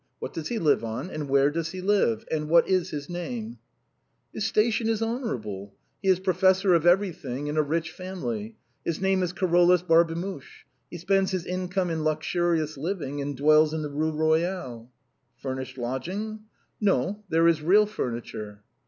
what does he live on^, and where does he live? and what is his name ?" "His station is honorable; he is professor of everything in a rich family. His name is Carolus Barbemuche; he spends his income in luxurious living, and dwells in the Rue Royale." " Furnished lodging ?"" No ; there is real furniture."